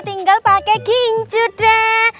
tinggal pake ginju deh